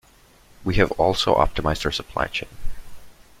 We have also optimised our supply chain.